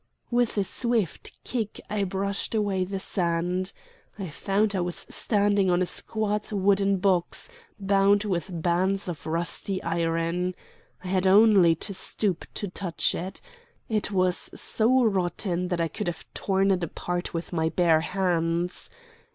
_" With a swift kick I brushed away the sand. I found I was standing on a squat wooden box, bound with bands of rusty iron. I had only to stoop to touch it. It was so rotten that I could have torn it apart with my bare hands.